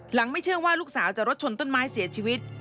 ไม่เชื่อว่าลูกสาวจะรถชนต้นไม้เสียชีวิต